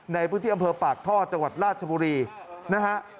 ในพื้นที่อำเภอปากท่อจังหวัดราชบุรีนะฮะ